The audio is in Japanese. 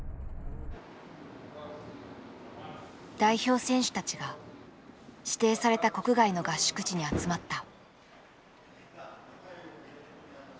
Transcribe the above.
代表選手たちが指定された国外の合宿地に集まった。